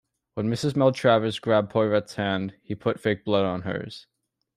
When Mrs Maltravers grabbed Poirot's hand, he put fake blood on hers.